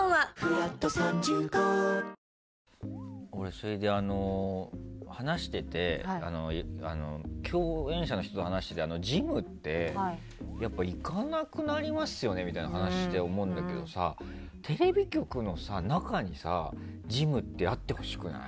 それで、共演者の人と話しててジムって、やっぱり行かなくなりますよねみたいな話してて思うんだけどさテレビ局の中にジムってあってほしくない？